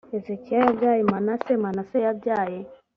hezekiya yabyaye manase manase yabyaye